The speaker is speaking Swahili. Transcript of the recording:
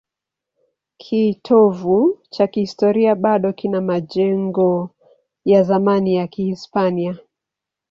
Kitovu cha kihistoria bado kina majengo ya zamani ya Kihispania.